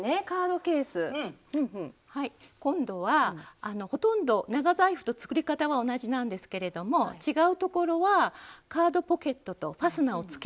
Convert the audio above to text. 今度はほとんど長財布と作り方は同じなんですけれども違うところはカードポケットとファスナーをつけないというところです。